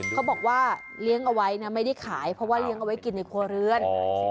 เขาบอกว่าเลี้ยงเอาไว้นะไม่ได้ขายเพราะว่าเลี้ยงเอาไว้กินในครัวเรือน